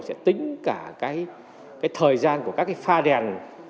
sẽ tính cả cái thời gian của các cái pha đèn